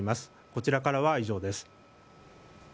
こちらからは以上です。